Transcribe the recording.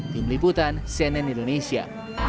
tim liputan cnn indonesia